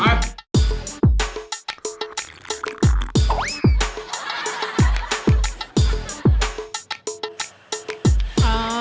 มา